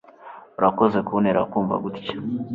urakoze kuntera kumva gutya